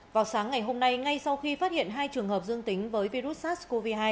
vào sáng ngày hôm nay ngay sau khi phát hiện hai trường hợp dương tính với virus sars cov hai